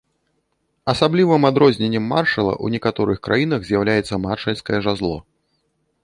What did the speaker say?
Асаблівым адрозненнем маршала ў некаторых краінах з'яўляецца маршальскае жазло.